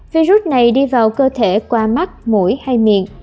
virus này đi vào cơ thể qua mắt mũi hay miệng